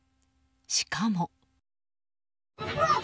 しかも。